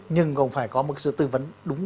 nhưng còn phải có một sự tư vấn đúng